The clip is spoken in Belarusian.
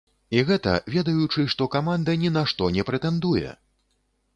І гэта, ведаючы, што каманда ні на што не прэтэндуе!